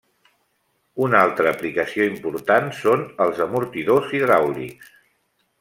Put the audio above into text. Una altra aplicació important són els amortidors hidràulics.